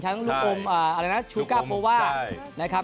ชั้นลูกอมอะไรนะชูก้าเพราะว่า